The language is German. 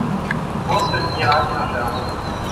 Sie wurstelt in ihrer Handtasche herum.